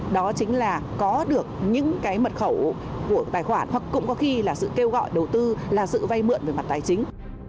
đó chính là có được những cái mật khẩu của tài khoản hoặc cũng có khi là sự kêu gọi đầu tư là sự vay mượn về mặt tài chính